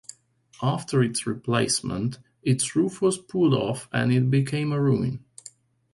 After its replacement, its roof was pulled off and it became a ruin.